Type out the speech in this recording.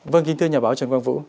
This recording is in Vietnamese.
vâng kính thưa nhà báo trần quang vũ